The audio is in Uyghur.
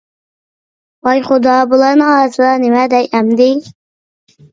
ۋاي خۇدا، بۇلارنىڭ ئارىسىدا نېمە دەي ئەمدى؟ !